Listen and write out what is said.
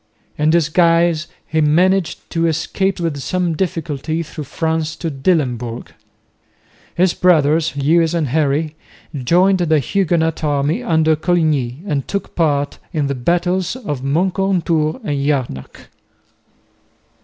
In disguise he managed to escape with some difficulty through France to Dillenburg. His brothers, Lewis and Henry, joined the Huguenot army under Coligny and took part in the battles of Moncontour and Jarnac.